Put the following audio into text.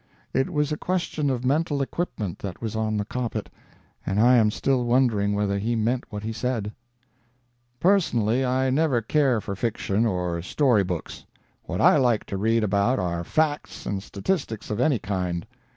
It was a question of mental equipment that was on the carpet, and I am still wondering whether he meant what he said. "Personally I never care for fiction or story books. What I like to read about are facts and statistics of any kind.